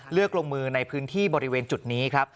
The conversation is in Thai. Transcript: ลงมือในพื้นที่บริเวณจุดนี้ครับ